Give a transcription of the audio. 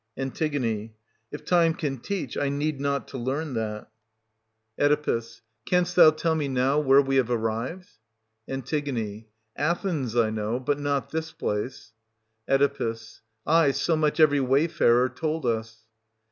An. If time can teach, I need not to learn that. 62 SOPHOCLES. [23—44 Oe. Canst thou tell me, now, where we have arrived ? An. Athens I know, but not this place. Oe. Aye, so much every wayfarer told us.